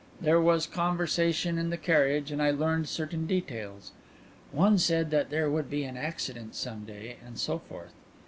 There was conversation in the carriage and I learned certain details. One said that there would be an accident some day, and so forth.